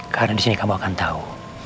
karena disini kamu akan tahu